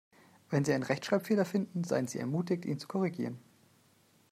Wenn Sie einen Rechtschreibfehler finden, seien Sie ermutigt, ihn zu korrigieren.